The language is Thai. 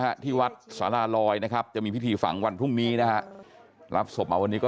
เฉียวแรกเฉียวแรก